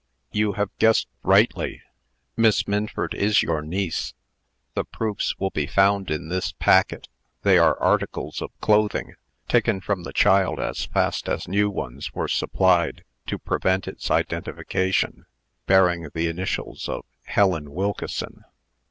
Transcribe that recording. "You have guessed rightly. Miss Minford is your niece. The proofs will be found in this packet. They are articles of clothing, taken from the child as fast as new ones were supplied, to prevent its identification, bearing the initials of Helen Wilkeson.